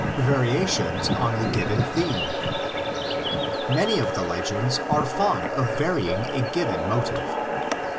VARIATIONS ON A GIVEN THEME. Many of the legends are fond of varying a given motive.